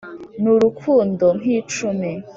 N'urukundo nk'icumi